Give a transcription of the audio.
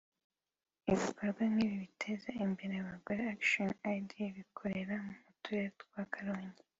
Ibikorwa nk’ibi biteza imbere abagore Action aid ibikorera mu turere twa Karongi